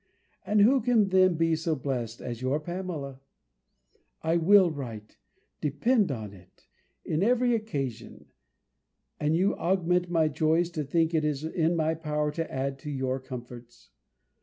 And who can then be so blest as your Pamela? I will write, depend upon it, on every occasion and you augment my joys to think it is in my power to add to your comforts.